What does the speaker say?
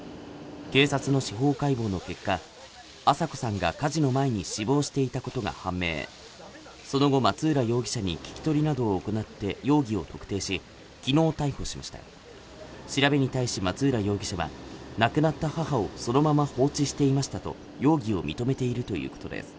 警察の司法解剖の結果アサコさんが火事の前に死亡していたことが判明その後松浦容疑者に聞き取りなどを行って容疑者を特定し昨日逮捕しました調べに対し松浦容疑者は亡くなった母をそのまま放置していましたと容疑を認めているということです